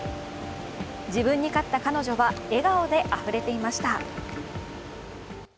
自分に勝った彼女は笑顔であふれていました。